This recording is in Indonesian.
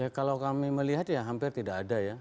ya kalau kami melihat ya hampir tidak ada ya